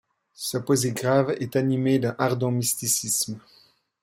Sa poésie grave est animée d'un ardent mysticisme.